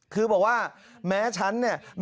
คือบอกว่าแม้ฉันเนี่ย